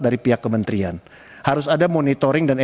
dari pihak kampus ke kementerian